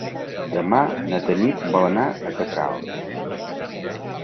Demà na Tanit vol anar a Catral.